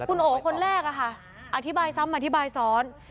คุณโอคนแรกอะค่ะอธิบายซ้ำอธิบายซ้อน